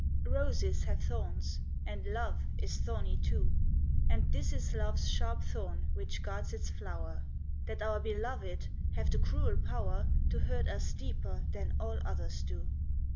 OSES have thorns, and love is thorny too ; And this is love s sharp thorn which guards its flower, That our beloved have the cruel power To hurt us deeper than all others do.